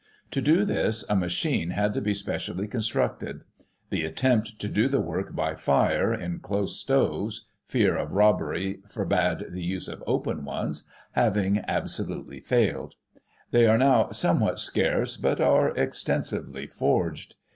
To do this, a machine had to be specially constructed; the attempt to do the work by fire, in close stoves (fear of robbery forbade the use of open ones), having absolutely failed. They are now somewhat scarce, but are extensively forged.